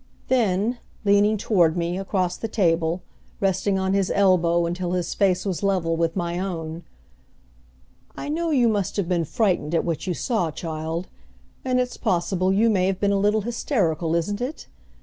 Then, leaning toward me, across the table, resting on his elbow until his face was level with my own, "I know you must have been much frightened at what you saw, child, and it's possible you may have been a little hysterical, isn't it?